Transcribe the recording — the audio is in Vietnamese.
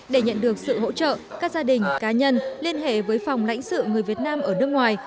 để nhận được sự hỗ trợ các gia đình cá nhân liên hệ với phòng lãnh sự người việt nam ở nước ngoài